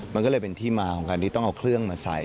มันก็เลยเป็นที่มาของการที่ต้องเอาเครื่องมาใส่